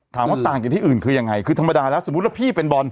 ต่างจากที่อื่นคือยังไงคือธรรมดาแล้วสมมุติว่าพี่เป็นบอล